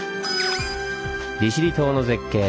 利尻島の「絶景」